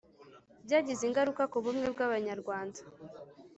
Byagize ingaruka ku bumwe bw'Abanyarwanda: